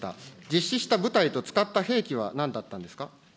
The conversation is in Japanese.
実施した部隊と使った兵器はなんだったんですか。